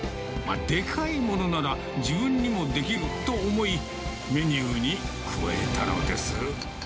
でかいものなら自分にもできると思い、メニューに加えたのです。